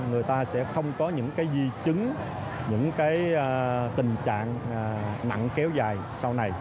người ta sẽ không có những di chứng những tình trạng nặng kéo dài sau này